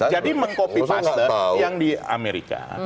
jadi mengcopy pasteur yang di amerika